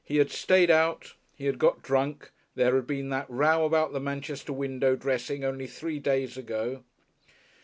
He had stayed out, he had got drunk, there had been that row about the Manchester window dressing only three days ago....